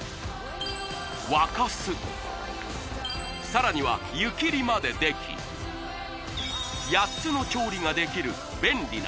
沸かすさらには湯切りまででき８つの調理ができる便利なＭＥＹＥＲ８